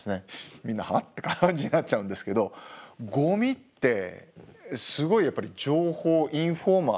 みんな「はっ？」って感じになっちゃうんですけどゴミってすごいやっぱり情報インフォーマティブなんですよ。